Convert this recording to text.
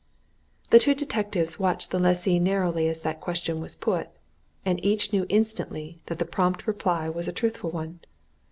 The two detectives watched the lessee narrowly as that question was put. And each knew instantly that the prompt reply was a truthful one.